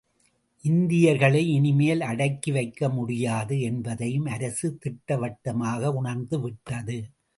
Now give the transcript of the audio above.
இந்தியர்களை இனிமேல் அடக்கி வைக்க முடியாது என்பதையும் அரசு திட்டவட்டமாக உணர்ந்து விட்டது.